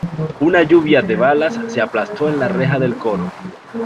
una lluvia de balas se aplastó en la reja del coro.